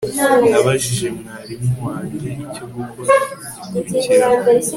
nabajije mwarimu wanjye icyo gukora gikurikiraho